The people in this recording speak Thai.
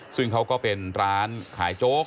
ซึ่งเขาก็เป็นร้านขายโจ๊ก